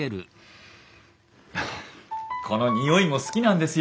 この匂いも好きなんですよ。